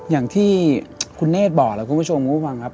อย่างที่คุณเนธบอกแล้วคุณผู้ชมผู้ฟังครับ